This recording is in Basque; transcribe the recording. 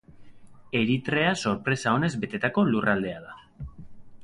Eritrea sorpresa onez betetako lurraldea da.